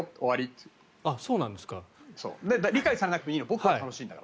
理解されなくていいの僕が楽しいんだから。